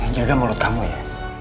jaga mulut kamu ya